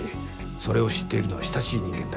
それを知っているのは親しい人間だけだ。